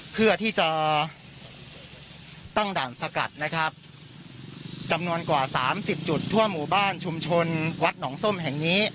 เพื่อที่จะตั้งด่านสกัดนะครับจำนวนกว่าสามสิบจุดทั่วหมู่บ้านชุมชนวัดหนองส้มแห่งนี้